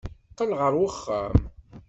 Qqel ɣer uxxam.